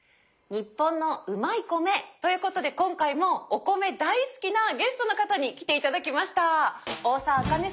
「ニッポンのうまい米」。ということで今回もお米大好きなゲストの方に来て頂きました。